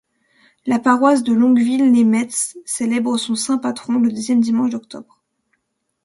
La paroisse de Longeville-lès-Metz célèbre son saint patron le deuxième dimanche d’octobre.